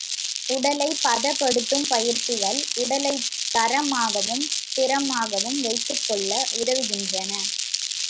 உடலைப் பதப்படுத்தும் பயிற்சிகள் உடலைத் தரமாகவும், திறமாகவும் வைத்துக்கொள்ள உதவுகின்றன.